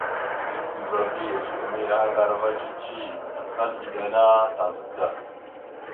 Epeva mbiyez a mayahaŋgar ava dik, tasal iɗe ana tazaɗ da.